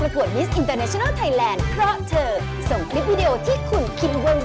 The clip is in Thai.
และที่สุดท้านไม่มีแรงแล้วเราจะเอาแรงที่ไหนไปสู้